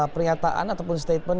pernyataan ataupun statement